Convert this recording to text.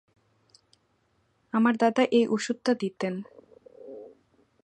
আমার দাদা এই অষুধটা দিতেন।